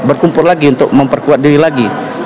berkumpul lagi untuk memperkuat diri lagi